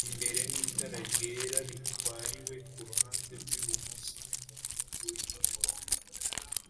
Imbere n itara ryera ritwariwe ku ruhande rw ibumoso n umuntu uri ku murongo